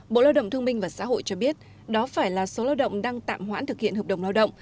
bộ lao động thương minh và xã hội cho biết đó phải là số lao động đang tạm hoãn thực hiện hợp đồng lao động